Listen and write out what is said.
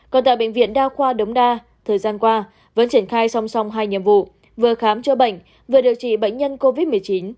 còn tại bệnh viện đa khoa đống đa thời gian qua vẫn triển khai song song hai nhiệm vụ vừa khám chữa bệnh vừa điều trị bệnh nhân covid một mươi chín